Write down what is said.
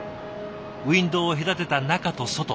ウィンドーを隔てた中と外。